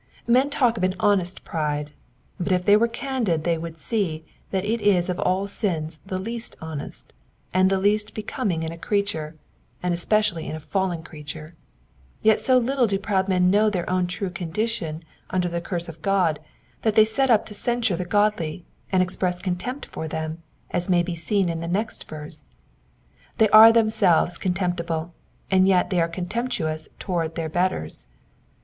Men talk of an honest pride ; but if they were eandid they would see that it is of all sins the least honest, and the least becoming in a creature, and especially in a fallen creature : yet so little do proud men know their own true condition under the curse of God, that they set up to censure the godly, and express contempt for them, as may be seen in the next verse. They are themselves contemptible, and yet they are contemptuous towards their betters.